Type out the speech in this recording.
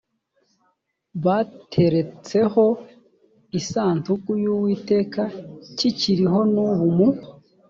bateretseho isanduku y uwiteka kikiriho n ubu mu